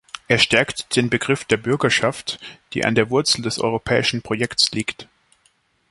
Er stärkt den Begriff der Bürgerschaft, die an der Wurzel des europäischen Projekts liegt.